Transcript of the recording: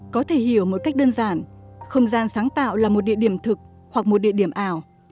có thể hiểu một cách đơn giản không gian sáng tạo là một địa điểm thực hoặc một địa điểm ảo